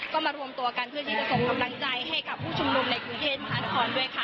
ก็มารวมตัวกันเพื่อที่จะส่งกำลังใจให้กับผู้ชุมนุมในกรุงเทพมหานครด้วยค่ะ